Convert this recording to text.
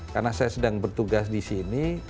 karena saya sedang bertugas di sini